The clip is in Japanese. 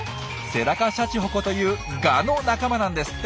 セダカシャチホコというガの仲間なんですって。